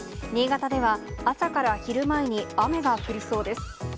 新潟では、朝から昼前に雨が降りそうです。